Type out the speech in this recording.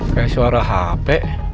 kayak suara hp